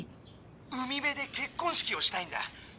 海辺で結婚式をしたいんだ。